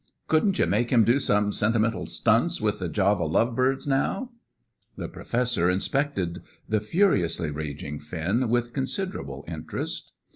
Couldn't you make him do some sentimental stunts with the Java love birds, now?" The Professor inspected the furiously raging Finn with considerable interest.